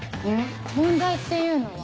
問題っていうのは。